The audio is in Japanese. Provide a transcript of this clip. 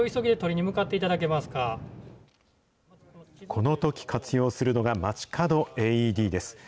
このとき活用するのがまちかどＡＥＤです。